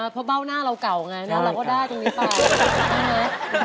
อ๋อเพราะเบ้าหน้าเราเก่าไงหน้าเราก็ได้ตรงนี้เปล่า